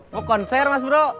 mau konser mas bro